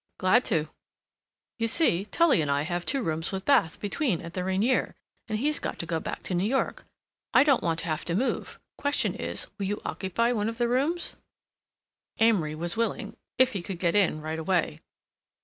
"Glad to." "You see, Tully and I have two rooms with bath between at the Ranier, and he's got to go back to New York. I don't want to have to move. Question is, will you occupy one of the rooms?" Amory was willing, if he could get in right away.